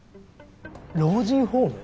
老人ホーム？